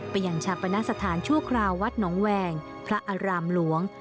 ไปยังชาปนสถานชั่วคราววัดหนองแวงพระอารามหลวง